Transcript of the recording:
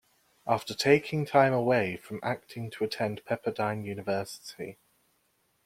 After taking time away from acting to attend Pepperdine University.